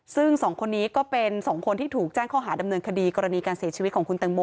ซึ่งสองคนนี้ก็เป็น๒คนที่ถูกแจ้งข้อหาดำเนินคดีกรณีการเสียชีวิตของคุณตังโม